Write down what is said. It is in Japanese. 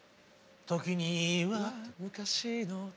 「時には昔の」